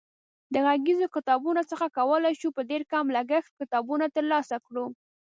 د غږیزو کتابتونونو څخه کولای شو په ډېر کم لګښت کتابونه ترلاسه کړو.